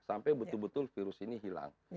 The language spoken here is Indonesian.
sampai betul betul virus ini hilang